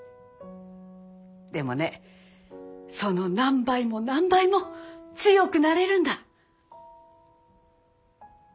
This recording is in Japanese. でもねその何倍も何倍も強くなれるんだ。